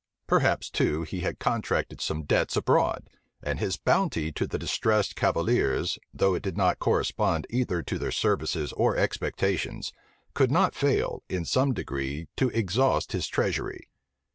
Perhaps, too, he had contracted some debts abroad; and his bounty to the distressed cavaliers, though it did not correspond either to their services or expectations, could not fail, in some degree, to exhaust his treasury.